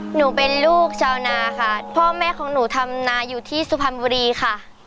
หนูเป็นลูกชาวนาค่ะพ่อแม่ของหนูทำนาอยู่ที่สุพรรณบุรีค่ะ